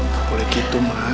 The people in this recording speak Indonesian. gak boleh gitu ma